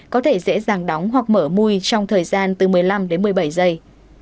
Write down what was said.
có thể dễ dàng đóng hoặc mở mui trong thời gian từ một mươi năm đến một mươi bảy giây